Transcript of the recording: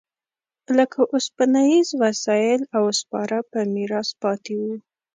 لکه اوسپنیز وسایل او سپاره په میراث پاتې و